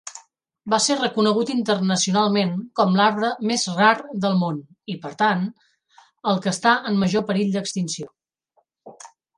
Va ser reconegut internacionalment com l'arbre més rar del món i, per tant, el que està en major perill d'extinció.